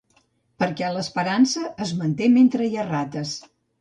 Perquè l'esperança es manté mentre hi ha rates.